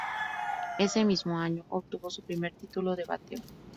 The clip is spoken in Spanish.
Ese mismo año obtuvo su primer título de bateo.